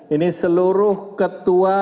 ini seluruh ketua